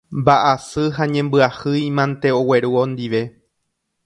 Mba'asy ha ñembyahýi mante ogueru ondive.